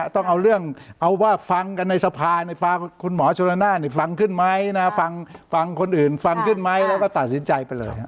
ต้องเอาเรื่องเอาว่าฟังกันในสภาคุณหมอชนละนานฟังขึ้นไหมนะฟังคนอื่นฟังขึ้นไหมแล้วก็ตัดสินใจไปเลย